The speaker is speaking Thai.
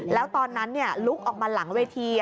แล้วตอนนั้นลุกออกมาหลังเวที